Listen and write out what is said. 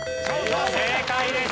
正解です。